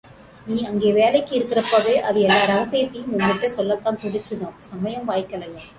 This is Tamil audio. நீ அங்கே வேலைக்கு இருக்கிறப்பவே அது எல்லா ரகசியத்தையும் உங்கிட்டே சொல்லத்தான் துடிச்சுதாம் சமயம் வாய்க்கலையாம்.